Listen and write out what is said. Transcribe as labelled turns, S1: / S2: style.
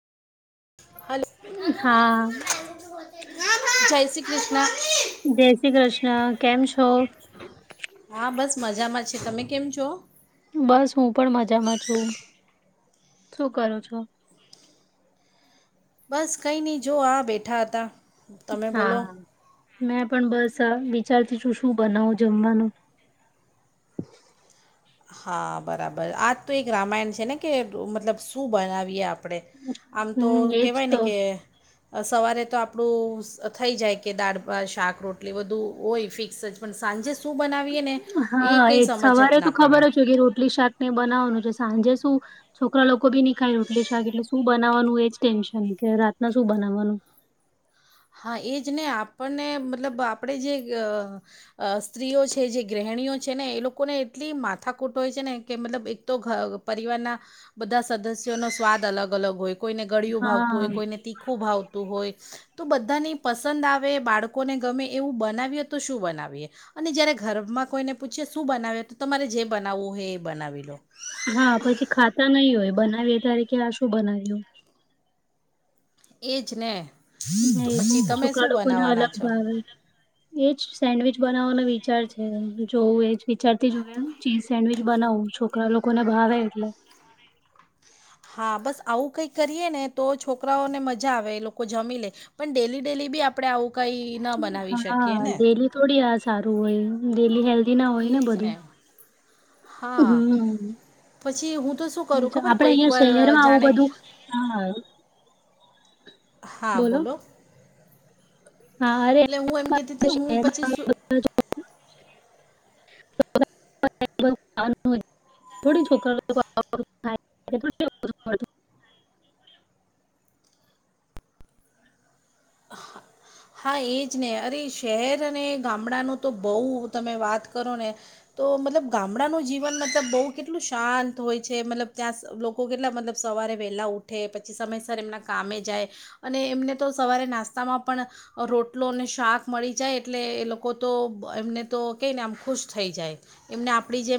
S1: Hello
S2: [inaudible] જય
S1: જય શ્રી કૃષ્ણ
S2: શ્રી કૃષ્ણ કેમ છો?
S1: હા બસ મજામાં છે તમે કેમ છો?
S2: બસ હું પણ મજામાં છું શું કરો છો?
S1: બસ કંઈ ની જો આ બેઠા હતા. તમે બોલો
S2: હા મેં પણ બસ વિચારતી છું શું બનાવું જમવાનું?
S1: હા બરાબર આજ તો એક રામાયણ છે ને કે મતલબ શું બનાવીએ આપ આપણે આમ તો
S2: હમ એજ
S1: કેવાય
S2: તો
S1: ને કે અ સવારે તો આપણું અ થેઈ જાય કે દાળ [unintelligible] શાક રોટલી બધું હોય ફિક્સ જ પણ સાંજે શુ?
S2: હા એક
S1: જ
S2: સવારે તો
S1: ના પડે
S2: ખબર જ હોય કે રોટલી શાક ને બનાવાનું છે સાંજે શું? છોકરા લોકોબી ની ખાય રોટલી શાક એટલે શું બનાવાનું એજ ટેન્શન કે રાતના શું બનાવાનું?
S1: હા એ જ ને આપણને મતલબ આપણે જે અ અ સ્ત્રીઓ છે જે ગૃહિણીઓ છે ને એ લોકોને એટલી માથાકૂટ હોય છે ને કે મતલબ એક તો ઘ પરિવારના બધા સદસ્યો નો સ્વાદ અલગ-અલગ હોય કોઈને ગળિયું ભાવતું હોય
S2: હા
S1: કોઈને તીખું ભાવતું હોય તો બધાની પસંદ આવે બાળકોને ગમે એવું બનાવીએ તો શું બનાવીએ? અને જયારે ઘરમાં કોઈને પૂછીએ શું બનાવે તો તમારે જે બનાવું હોય એ બનાવી લો.
S2: હા પછી ખાતા નઈ હોય બનાવીએ ત્યારે કે આ શું બનાવ્યું?
S1: એજ ને.
S2: ને
S1: તો પછી
S2: એજ
S1: તમે શું
S2: [unintelligible]
S1: બનાવવાના
S2: અલગ
S1: છો
S2: ભાવે. એજ સેન્ડવીચ બનાવાનો વિચાર છે જોવું એજ વિચારતી [unintelligible] ચીઝ સેન્ડવીચ બનાવું છોકરા લોકોને ભાવે એટલે.
S1: હા બસ આવું કંઈક કરીએ ને તો છોકરાઓને મજા આવે એ લોકો જમી લે. પણ ડેલી ડેલી બી આપડે આવું કાઈ ના બનાવી
S2: હા
S1: શકીએ ને?
S2: ડેલી થોડી આ સારું હોય ડેલી હેલ્દી ના હોય ને
S1: એ જ
S2: બધું.
S1: હા
S2: હુમ્મ.
S1: પછી હું તો શું કરું ખબર કોઈક વાર અ
S2: શહેરમાં આવું
S1: જાણેક
S2: બધું હા
S1: [unintelligible] હા બોલો.
S2: હા અરે
S1: લે હું એમ કેતી તી હું
S2: શહેરમાં
S1: પછી
S2: આવું
S1: શું
S2: [unintelligible] થોડી છોકરા લોકો [unintelligible]
S1: હા એજ ને અરે શહેર અને ગામડાનું તો બઉ તમે વાત કરો ને? તો મતલબ ગામડાનું જીવન મતલબ બઉ કેટલું શાંત હોય છે, મતલબ ત્યાં સ લો કો કેટલા મતલબ સવારે વેલાં ઉઠે, પછી સમયસર એમનાં કામે જાય. અને એમને તો સવારે નાસ્તામાં પણ રોટલો ને શાક મળી જાય, એટલે એ લોકો તો એમને તો કેય ને આમ ખુશ થઈ જાય. એમને આપડી જેમ